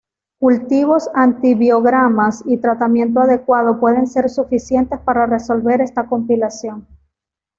Cultivos-antibiogramas y tratamiento adecuado pueden ser suficientes para resolver esta complicación.